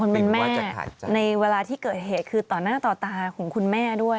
เป็นแม่ในเวลาที่เกิดเหตุคือต่อหน้าต่อตาของคุณแม่ด้วย